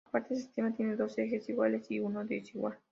Aparte este sistema tiene dos ejes iguales y uno desigual.